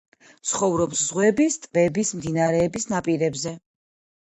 ცხოვრობს ზღვების, ტბების, მდინარეების ნაპირებზე.